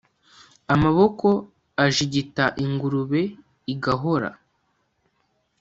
Amaboko ajigita ingurube igahora